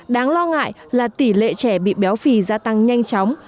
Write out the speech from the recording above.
đáng lo ngại là tỷ lệ trẻ bị béo phì gia tăng nhanh chóng